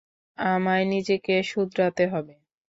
আমায় নিজেকে শুধরাতে হবে।